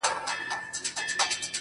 که هغه رواخلو او بیا یې شعرونه شرحه کړو